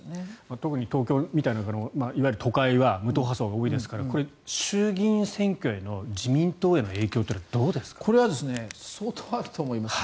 特に東京みたいないわゆる都会は無党派層が多いですから衆議院選挙への自民党への影響っていうのはどうですか？